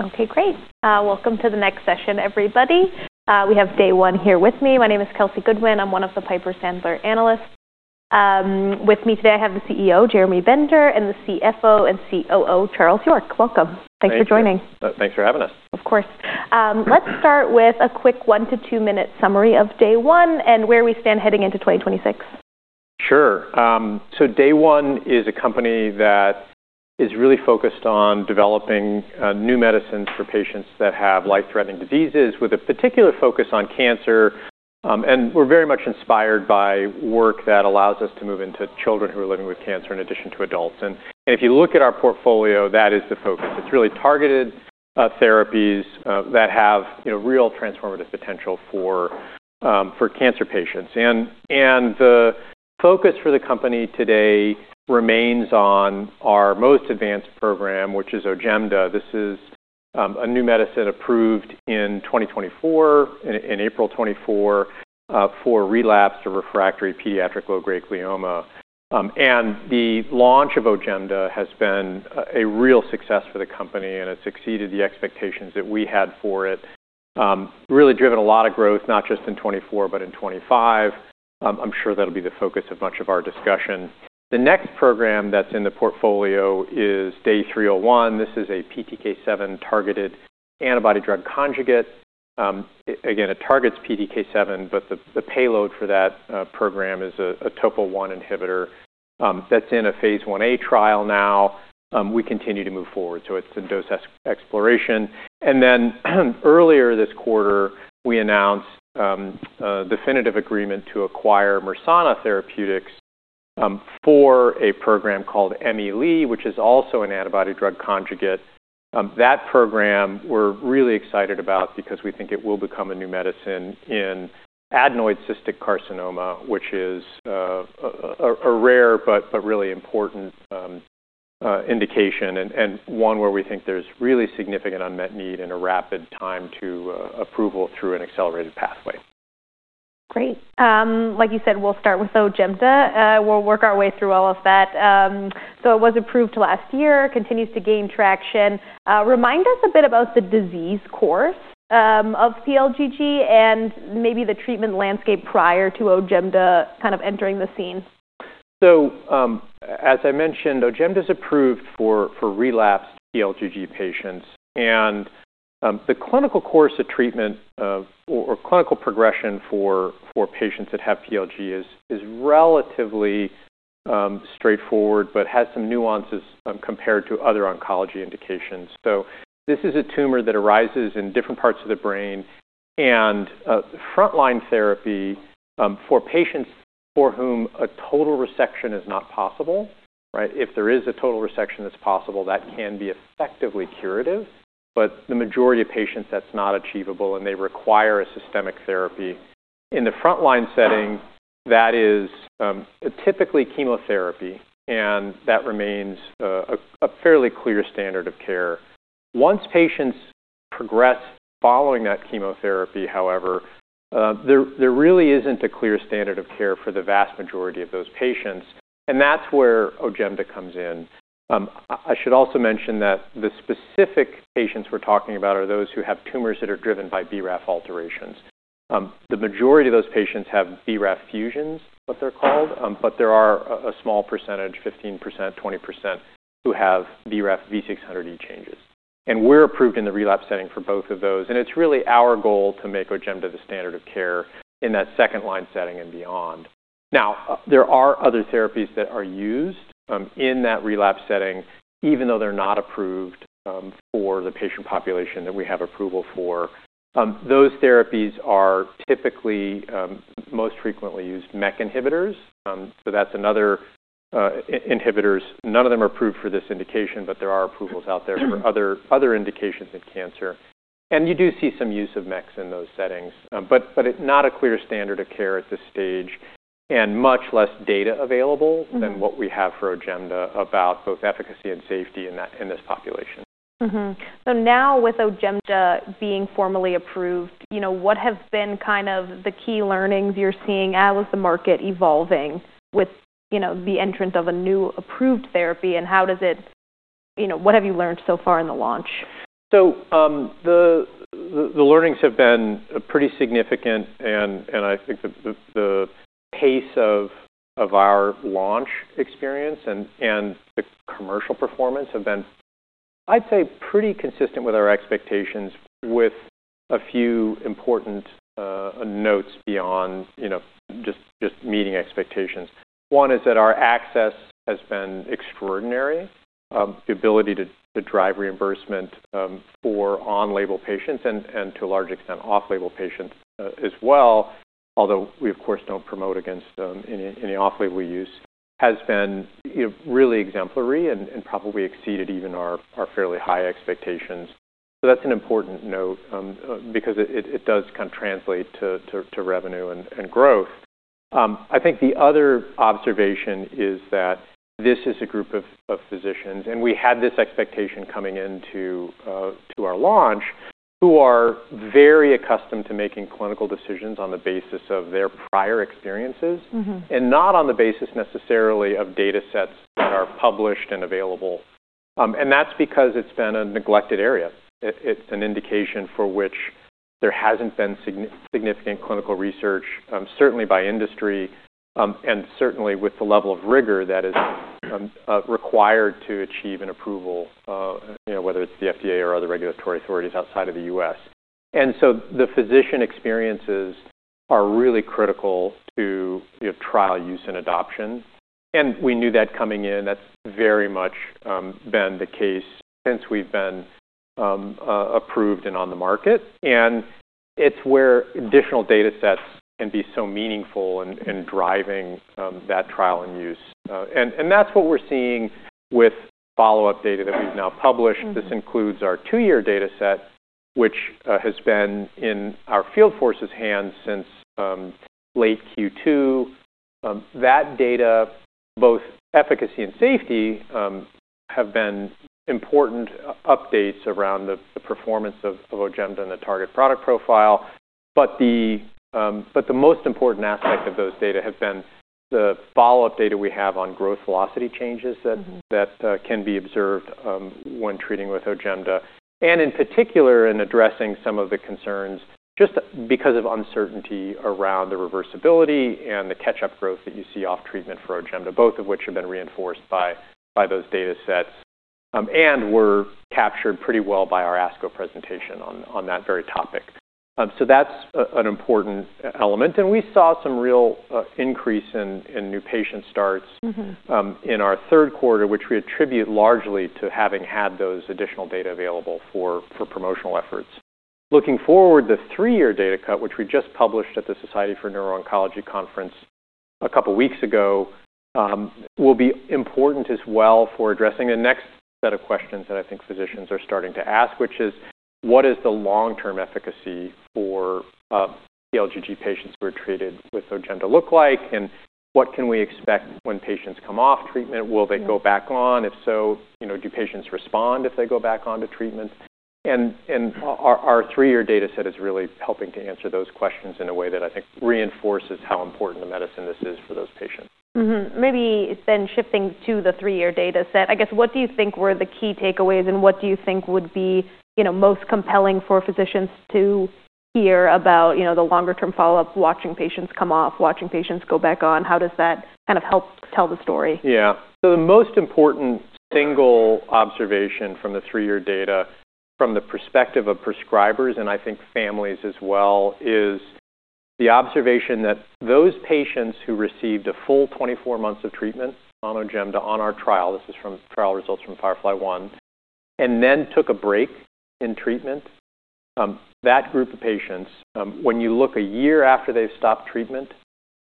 Okay, great. Welcome to the next session, everybody. We have Day One here with me. My name is Kelsey Goodwin. I'm one of the Piper Sandler, analysts. With me today I have the CEO, Jeremy Bender, and the CFO and COO, Charles York. Welcome. Thanks for joining. Thanks for having us. Of course. Let's start with a quick one to two-minute summary of Day One and where we stand heading into 2026. Sure. So Day One, is a company that is really focused on developing new medicines for patients that have life-threatening diseases, with a particular focus on cancer. We're very much inspired by work that allows us to move into children who are living with cancer in addition to adults. And if you look at our portfolio, that is the focus. It's really targeted therapies that have, you know, real transformative potential for cancer patients. And the focus for the company today remains on our most advanced program, which is OJEMDA. This is a new medicine approved in 2024, in April 2024, for relapsed or refractory pediatric low-grade glioma. And the launch of OJEMDA, has been a real success for the company, and it's exceeded the expectations that we had for it. It has really driven a lot of growth, not just in 2024, but in 2025. I'm sure that'll be the focus of much of our discussion. The next program that's in the portfolio is Day 301. This is a PTK7-targeted antibody-drug conjugate. Again, it targets PTK7, but the payload for that program is a Topol 1 inhibitor. That's in a phase I A trial now. We continue to move forward, so it's in dose exploration. And then earlier this quarter, we announced a definitive agreement to acquire Mersana Therapeutics, for a program called Emi-Le, which is also an antibody-drug conjugate. That program we're really excited about because we think it will become a new medicine in adenoid cystic carcinoma, which is a rare but really important indication and one where we think there's really significant unmet need in a rapid time to approval through an accelerated pathway. Great. Like you said, we'll start with OJEMDA. We'll work our way through all of that. So it was approved last year, continues to gain traction. Remind us a bit about the disease course, of PLGG and maybe the treatment landscape prior to OJEMDA kind of entering the scene. As I mentioned, OJEMDA's approved for relapsed PLGG patients. The clinical course of treatment, or clinical progression for patients that have PLGG is relatively straightforward but has some nuances, compared to other oncology indications. This is a tumor that arises in different parts of the brain. Frontline therapy, for patients for whom a total resection is not possible, right? If there is a total resection that's possible, that can be effectively curative. But the majority of patients, that's not achievable, and they require a systemic therapy. In the frontline setting, that is typically chemotherapy, and that remains a fairly clear standard of care. Once patients progress following that chemotherapy, however, there really isn't a clear standard of care for the vast majority of those patients. And that's where OJEMDA comes in. I should also mention that the specific patients we're talking about are those who have tumors that are driven by BRAF alterations. The majority of those patients have BRAF fusions, what they're called, but there are a small percentage, 15%-20%, who have BRAF V600E changes. And we're approved in the relapse setting for both of those. And it's really our goal to make OJEMDA the standard of care in that second-line setting and beyond. Now, there are other therapies that are used, in that relapse setting, even though they're not approved, for the patient population that we have approval for. Those therapies are typically, most frequently used MEK inhibitors. So that's another, inhibitors. None of them are approved for this indication, but there are approvals out there for other, other indications in cancer. And you do see some use of MEKs in those settings. but it's not a clear standard of care at this stage and much less data available than what we have for OJEMDA about both efficacy and safety in that, in this population. Mm-hmm. So now with OJEMDA being formally approved, you know, what have been kind of the key learnings you're seeing as the market evolving with, you know, the entrance of a new approved therapy? And how does it, you know, what have you learned so far in the launch? So, the learnings have been pretty significant. And I think the pace of our launch experience and the commercial performance have been, I'd say, pretty consistent with our expectations with a few important notes beyond, you know, just meeting expectations. One is that our access has been extraordinary. The ability to drive reimbursement for on-label patients and to a large extent off-label patients, as well, although we, of course, don't promote any off-label use, has been, you know, really exemplary and probably exceeded even our fairly high expectations. So that's an important note, because it does kind of translate to revenue and growth. I think the other observation is that this is a group of physicians, and we had this expectation coming into our launch, who are very accustomed to making clinical decisions on the basis of their prior experiences. Mm-hmm. Not on the basis necessarily of data sets that are published and available. That's because it's been a neglected area. It's an indication for which there hasn't been significant clinical research, certainly by industry, and certainly with the level of rigor that is required to achieve an approval, you know, whether it's the FDA or other regulatory authorities outside of the U.S. The physician experiences are really critical to, you know, trial use and adoption. We knew that coming in. That's very much been the case since we've been approved and on the market. It's where additional data sets can be so meaningful and driving that trial and use. That's what we're seeing with the follow-up data that we've now published. This includes our two-year data set, which has been in our field force's hands since late Q2. that data, both efficacy and safety, have been important updates around the performance of OJEMDA and the target product profile. But the most important aspect of those data have been the follow-up data we have on growth velocity changes that can be observed when treating with OJEMDA. And in particular, in addressing some of the concerns just because of uncertainty around the reversibility and the catch-up growth that you see off treatment for OJEMDA, both of which have been reinforced by those data sets, and were captured pretty well by our ASCO presentation on that very topic. So that's an important element. And we saw some real increase in new patient starts. Mm-hmm. In our third quarter, which we attribute largely to having had those additional data available for promotional efforts. Looking forward, the three-year data cut, which we just published at the Society for Neuro-Oncology Conference, a couple of weeks ago, will be important as well for addressing the next set of questions that I think physicians are starting to ask, which is, what is the long-term efficacy for PLGG patients who are treated with OJEMDA look like? And what can we expect when patients come off treatment? Will they go back on? If so, you know, do patients respond if they go back onto treatment? And our three-year data set is really helping to answer those questions in a way that I think reinforces how important a medicine this is for those patients. Mm-hmm. Maybe then shifting to the three-year data set, I guess, what do you think were the key takeaways and what do you think would be, you know, most compelling for physicians to hear about, you know, the longer-term follow-up, watching patients come off, watching patients go back on? How does that kind of help tell the story? Yeah. So the most important single observation from the three-year data from the perspective of prescribers, and I think families as well, is the observation that those patients who received a full 24 months of treatment on OJEMDA on our trial, this is from trial results from FIREFLY-1, and then took a break in treatment, that group of patients, when you look a year after they've stopped treatment,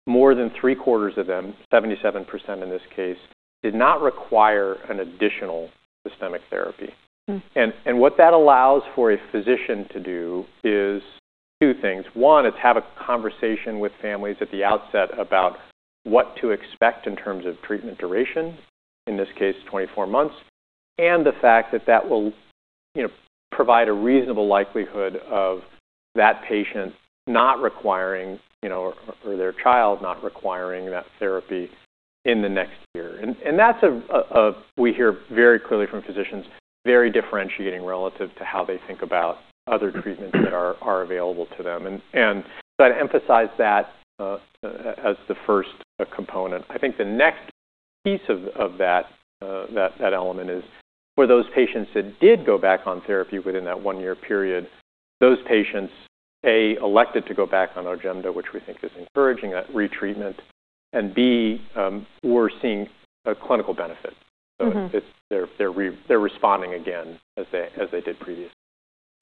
more than three-quarters of them, 77%, in this case, did not require an additional systemic therapy. Mm-hmm. What that allows for a physician to do is two things. One, it's have a conversation with families at the outset about what to expect in terms of treatment duration, in this case, 24 months, and the fact that that will, you know, provide a reasonable likelihood of that patient not requiring, you know, or their child not requiring that therapy in the next year. That's a we hear very clearly from physicians, very differentiating relative to how they think about other treatments that are available to them. So I'd emphasize that as the first component. I think the next piece of that element is for those patients that did go back on therapy within that one-year period, those patients, A, elected to go back on OJEMDA, which we think is encouraging that retreatment, and B, we're seeing a clinical benefit. Mm-hmm. So it's they're responding again as they did previously.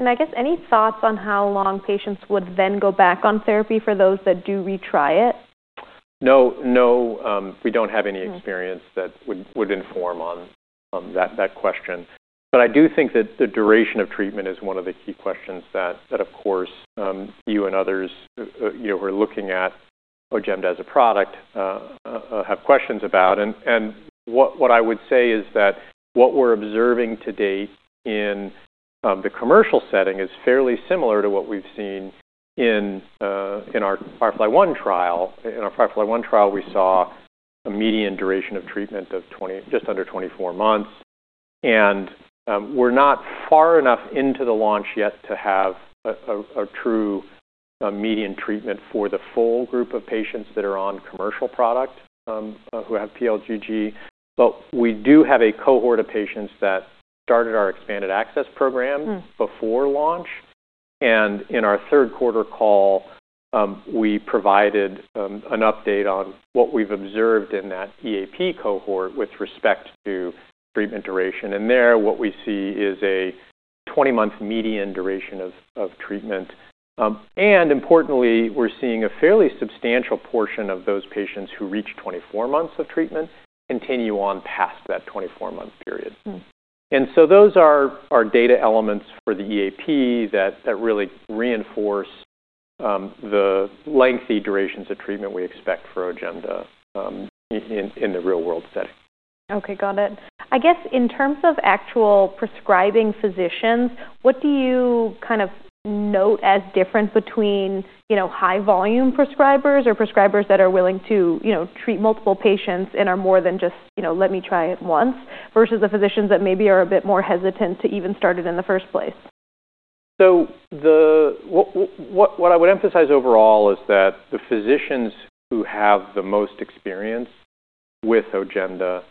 I guess any thoughts on how long patients would then go back on therapy for those that do retry it? No, no, we don't have any experience that would inform on that question. But I do think that the duration of treatment is one of the key questions that of course, you and others, you know, who are looking at OJEMDA as a product, have questions about. And what I would say is that what we're observing to date in the commercial setting is fairly similar to what we've seen in our FIREFLY-1 trial. In our FIREFLY-1 trial, we saw a median duration of treatment of 20, just under 24 months. And we're not far enough into the launch yet to have a true median treatment for the full group of patients that are on commercial product, who have PLGG. But we do have a cohort of patients that started our expanded access program. Mm-hmm. Before launch. And in our third quarter call, we provided an update on what we've observed in that EAP cohort with respect to treatment duration. And there, what we see is a 20-month median duration of treatment. And importantly, we're seeing a fairly substantial portion of those patients who reach 24 months of treatment continue on past that 24-month period. Mm-hmm. Those are our data elements for the EAP that really reinforce the lengthy durations of treatment we expect for OJEMDA in the real-world setting. Okay. Got it. I guess in terms of actual prescribing physicians, what do you kind of note as different between, you know, high-volume prescribers or prescribers that are willing to, you know, treat multiple patients and are more than just, you know, "Let me try it once," versus the physicians that maybe are a bit more hesitant to even start it in the first place? What I would emphasize overall is that the physicians who have the most experience with OJEMDA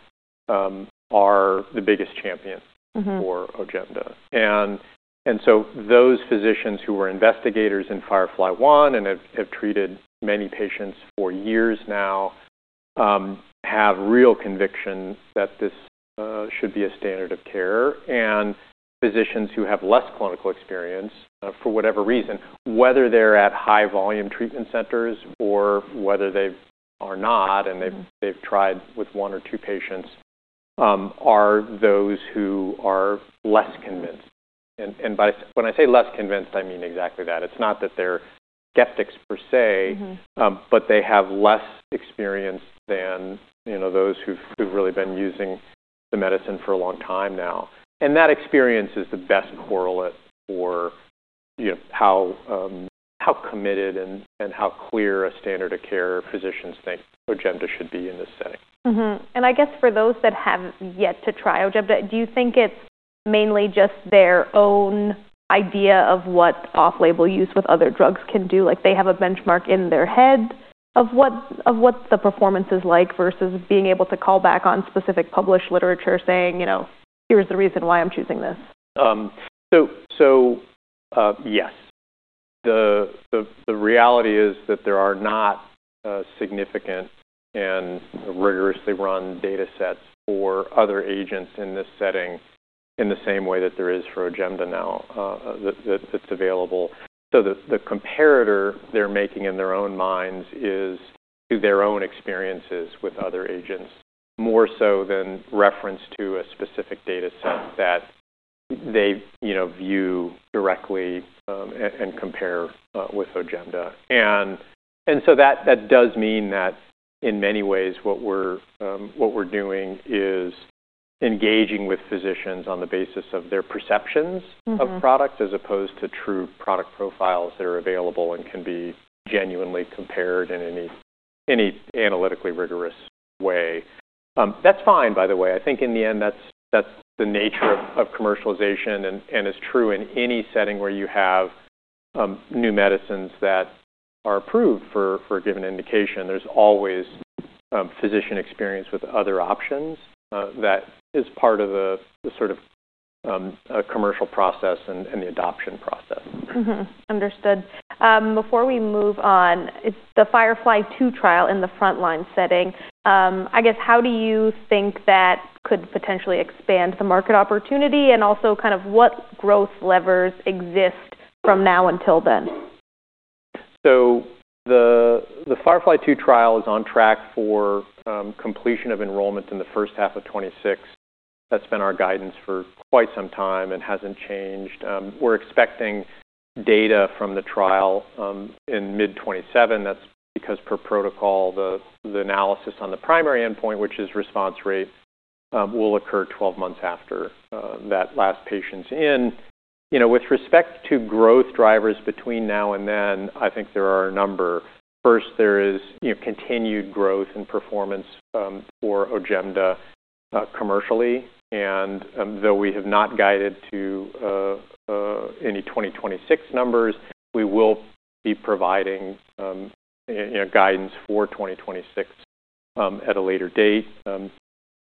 are the biggest champions. Mm-hmm. For OJEMDA. And so those physicians who were investigators in FIREFLY-1 and have treated many patients for years now have real conviction that this should be a standard of care. And physicians who have less clinical experience, for whatever reason, whether they're at high-volume treatment centers or whether they are not and they've. Mm-hmm. They've tried with one or two patients or those who are less convinced. And when I say less convinced, I mean exactly that. It's not that they're skeptics per se. Mm-hmm. But they have less experience than, you know, those who've really been using the medicine for a long time now. And that experience is the best correlate for, you know, how committed and how clear a standard of care physicians think OJEMDA should be in this setting. Mm-hmm. And I guess for those that have yet to try OJEMDA, do you think it's mainly just their own idea of what off-label use with other drugs can do? Like, they have a benchmark in their head of what the performance is like versus being able to call back on specific published literature saying, you know, "Here's the reason why I'm choosing this. So, yes. The reality is that there are not significant and rigorously run data sets for other agents in this setting in the same way that there is for OJEMDA now that it's available. So the comparator they're making in their own minds is to their own experiences with other agents more so than reference to a specific data set that they, you know, view directly and compare with OJEMDA. And so that does mean that in many ways what we're doing is engaging with physicians on the basis of their perceptions. Mm-hmm. Of product as opposed to true product profiles that are available and can be genuinely compared in any analytically rigorous way. That's fine, by the way. I think in the end, that's the nature of commercialization and is true in any setting where you have new medicines that are approved for a given indication. There's always physician experience with other options, that is part of the sort of commercial process and the adoption process. Mm-hmm. Understood. Before we move on, it's the FIREFLY-2 trial in the frontline setting. I guess how do you think that could potentially expand the market opportunity and also kind of what growth levers exist from now until then? The FIREFLY-2 trial is on track for completion of enrollment in the first half of 2026. That's been our guidance for quite some time and hasn't changed. We're expecting data from the trial in mid-2027. That's because per protocol, the analysis on the primary endpoint, which is response rate, will occur 12 months after that last patient's in. You know, with respect to growth drivers between now and then, I think there are a number. First, there is, you know, continued growth and performance for OJEMDA, commercially. And though we have not guided to any 2026 numbers, we will be providing, you know, guidance for 2026 at a later date.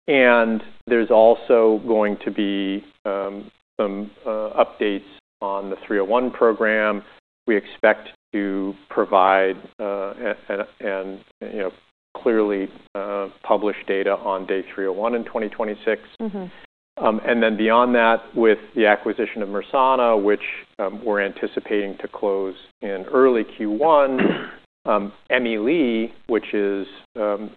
And there's also going to be some updates on the Day 301 program. We expect to provide, you know, clearly published data on Day 301 in 2026. Mm-hmm. And then beyond that, with the acquisition of Mersana, which we're anticipating to close in early Q1, Emi-Le, which is the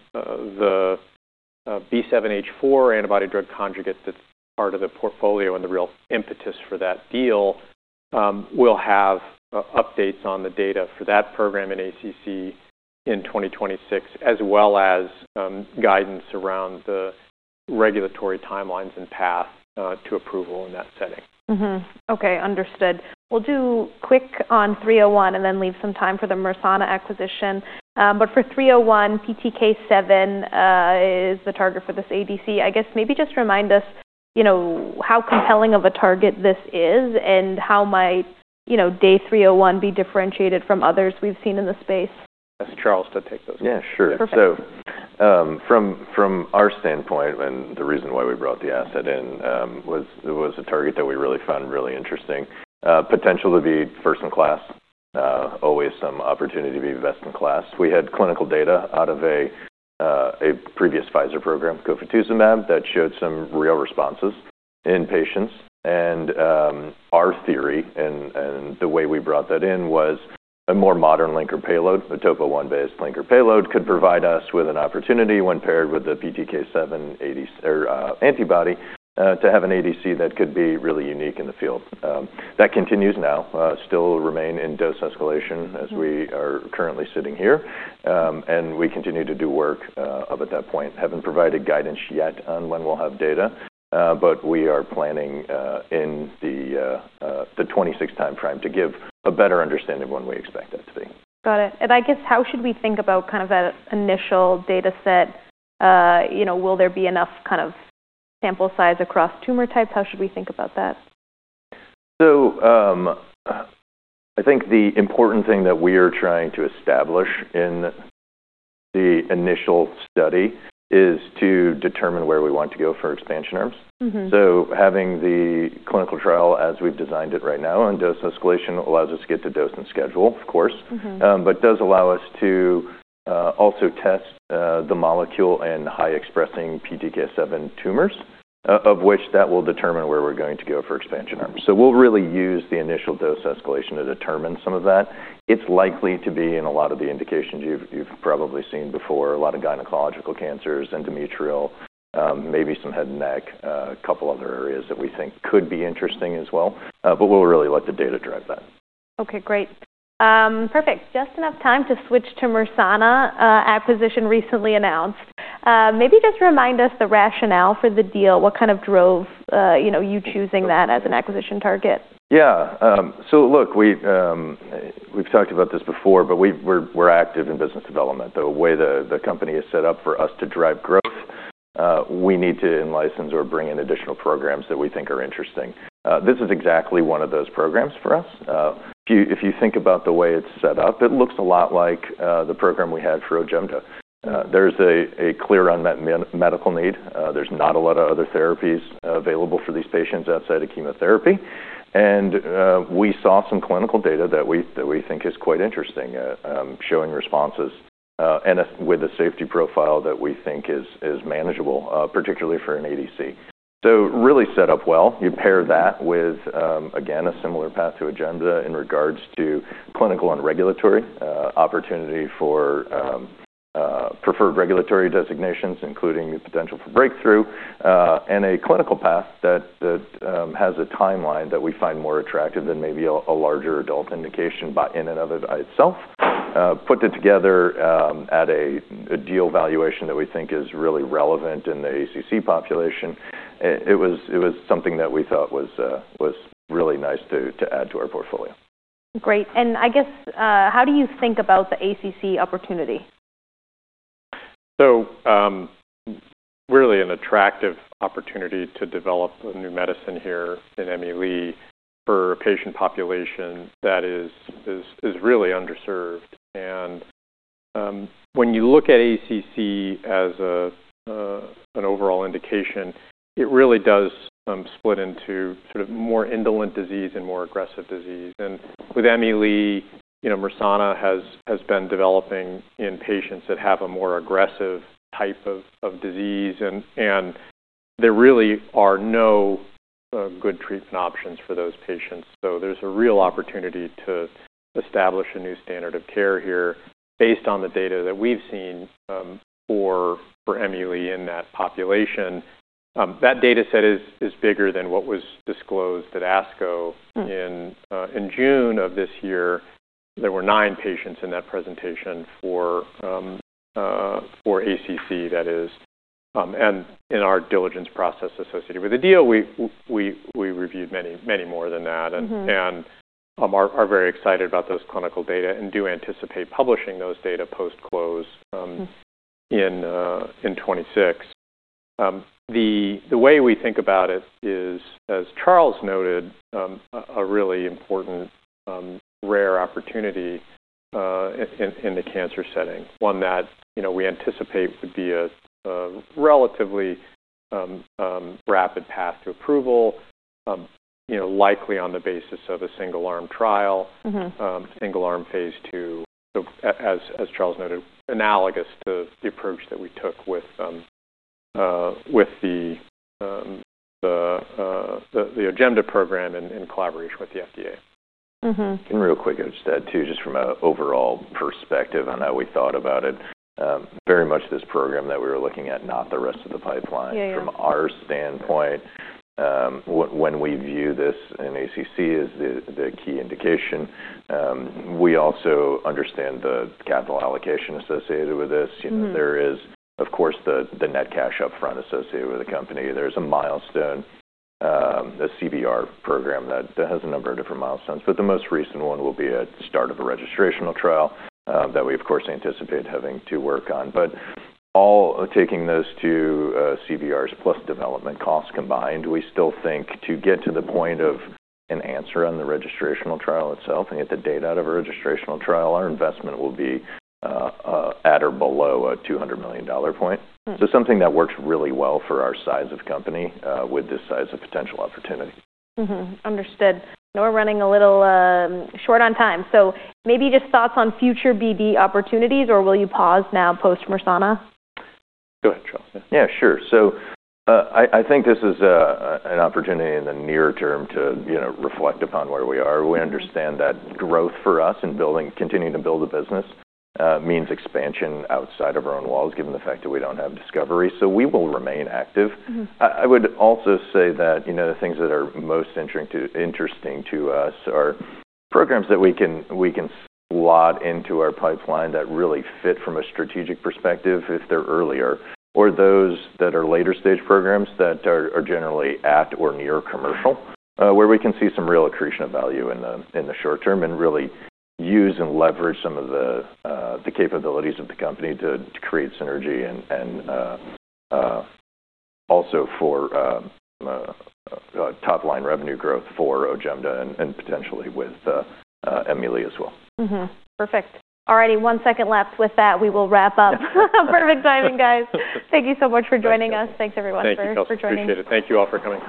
B7-H4 antibody drug conjugate that's part of the portfolio and the real impetus for that deal, will have updates on the data for that program in ACC in 2026, as well as guidance around the regulatory timelines and path to approval in that setting. Mm-hmm. Okay. Understood. We'll do quick on Day 301 and then leave some time for the Mersana acquisition. But for Day 301, PTK7 is the target for this ADC. I guess maybe just remind us, you know, how compelling of a target this is and how might, you know, Day 301 be differentiated from others we've seen in the space. That's Charles to take those. Yeah. Sure. Perfect. So, from our standpoint, and the reason why we brought the asset in, was it was a target that we really found really interesting, potential to be first-in-class, always some opportunity to be best-in-class. We had clinical data out of a previous Pfizer program, cofituzumab, that showed some real responses in patients. And, our theory and the way we brought that in was a more modern linker payload, a topo I-based linker payload, could provide us with an opportunity when paired with the PTK7 ADC or antibody, to have an ADC that could be really unique in the field. That continues now, still remain in dose escalation as we are currently sitting here. And we continue to do work, at that point, haven't provided guidance yet on when we'll have data, but we are planning, in the 2026 time frame, to give a better understanding of when we expect that to be. Got it. And I guess how should we think about kind of that initial data set? You know, will there be enough kind of sample size across tumor types? How should we think about that? I think the important thing that we are trying to establish in the initial study is to determine where we want to go for expansion arms. Mm-hmm. Having the clinical trial as we've designed it right now on dose escalation allows us to get to dose and schedule, of course. Mm-hmm. But does allow us to also test the molecule in high-expressing PTK7 tumors, of which that will determine where we're going to go for expansion arms. So we'll really use the initial dose escalation to determine some of that. It's likely to be in a lot of the indications you've probably seen before, a lot of gynecological cancers, endometrial, maybe some head and neck, a couple other areas that we think could be interesting as well. But we'll really let the data drive that. Okay. Great. Perfect. Just enough time to switch to Mersana acquisition recently announced. Maybe just remind us the rationale for the deal. What kind of drove, you know, you choosing that as an acquisition target? Yeah. So look, we've talked about this before, but we're active in business development. The way the company is set up for us to drive growth, we need to license or bring in additional programs that we think are interesting. This is exactly one of those programs for us. If you think about the way it's set up, it looks a lot like the program we had for OJEMDA. There's a clear unmet medical need. There's not a lot of other therapies available for these patients outside of chemotherapy. And we saw some clinical data that we think is quite interesting, showing responses, and with a safety profile that we think is manageable, particularly for an ADC. So really set up well. You pair that with, again, a similar path to OJEMDA in regards to clinical and regulatory, opportunity for, preferred regulatory designations, including the potential for breakthrough, and a clinical path that has a timeline that we find more attractive than maybe a larger adult indication by in and of itself. Put it together, at a deal valuation that we think is really relevant in the ACC population. It was something that we thought was really nice to add to our portfolio. Great. And I guess, how do you think about the ACC opportunity? So, really an attractive opportunity to develop a new medicine here in Emi-Le for a patient population that is really underserved. And, when you look at ACC as an overall indication, it really does split into sort of more indolent disease and more aggressive disease. And with Emi-Le, you know, Mersana has been developing in patients that have a more aggressive type of disease. And there really are no good treatment options for those patients. So there's a real opportunity to establish a new standard of care here based on the data that we've seen for Emi-Le in that population. That data set is bigger than what was disclosed at ASCO. Mm-hmm. In June of this year, there were nine patients in that presentation for ACC, that is, and in our diligence process associated with the deal, we reviewed many more than that. Mm-hmm. We are very excited about those clinical data and do anticipate publishing those data post-close. Mm-hmm. In 2026, the way we think about it is, as Charles noted, a really important, rare opportunity, in the cancer setting, one that, you know, we anticipate would be a relatively rapid path to approval, you know, likely on the basis of a single-arm trial. Mm-hmm. single-arm phase II. As Charles noted, analogous to the approach that we took with the OJEMDA program in collaboration with the FDA. Mm-hmm. Real quick, I just add too, just from an overall perspective on how we thought about it, very much this program that we were looking at, not the rest of the pipeline. Yeah. Yeah. From our standpoint, when we view this in ACC as the key indication, we also understand the capital allocation associated with this. Mm-hmm. You know, there is, of course, the net cash upfront associated with the company. There's a milestone, a CVR program that has a number of different milestones. But the most recent one will be at the start of a registrational trial that we, of course, anticipate having to work on. But all taking those two, CVRs plus development costs combined, we still think to get to the point of an answer on the registrational trial itself and get the data out of a registrational trial, our investment will be at or below a $200 million point. Mm-hmm. So something that works really well for our size of company, with this size of potential opportunity. Understood. Now we're running a little short on time. So maybe just thoughts on future BD opportunities, or will you pause now post-Mersana? Go ahead, Charles. Yeah. Yeah. Sure. So, I think this is an opportunity in the near term to, you know, reflect upon where we are. We understand that growth for us and building, continuing to build the business, means expansion outside of our own walls, given the fact that we don't have discovery. So we will remain active. Mm-hmm. I would also say that, you know, the things that are most interesting to us are programs that we can slot into our pipeline that really fit from a strategic perspective if they're earlier, or those that are later stage programs that are generally at or near commercial, where we can see some real accretion of value in the short term and really use and leverage some of the capabilities of the company to create synergy and also for top-line revenue growth for OJEMDA and potentially with Emi-Le as well. Mm-hmm. Perfect. All righty. One second left with that. We will wrap up. Perfect timing, guys. Thank you so much for joining us. Thank you. Thanks everyone. Thank you, Charles. For joining us. Appreciate it. Thank you all for coming in.